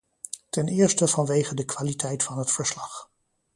Ten eerste vanwege de kwaliteit van het verslag.